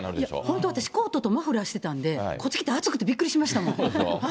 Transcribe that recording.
本当、私、コートとマフラーしてたんで、こっち来て、暑くってびっくりしましたもん。